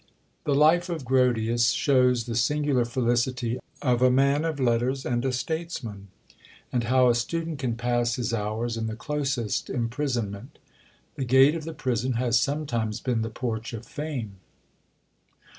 The Life of Grotius shows the singular felicity of a man of letters and a statesman, and how a student can pass his hours in the closest imprisonment. The gate of the prison has sometimes been the porch of fame.